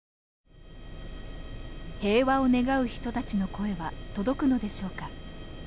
平和を願う人たちの声は届くのでしょうか。